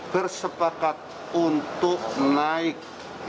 bersepakat untuk naik